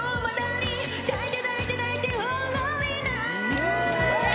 イエーイ！